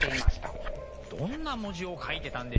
どんな文字を書いてたんでしょう。